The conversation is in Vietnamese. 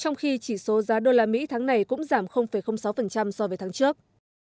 trong khi chỉ số giá đô la mỹ tháng này cũng giảm sáu so với tháng trước